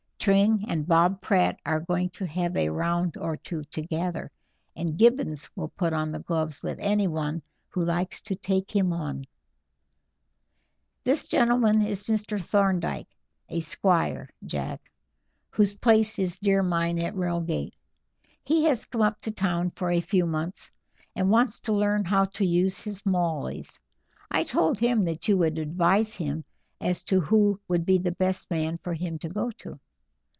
Tring and Bob Pratt are going to have a round or two together, and Gibbons will put on the gloves with anyone who likes to take him on." "This gentleman is Mr. Thorndyke, a squire, Jack, whose place is near mine at Reigate. He has come up to town for a few months, and wants to learn how to use his mauleys. I told him that you would advise him as to who would be the best man for him to go to."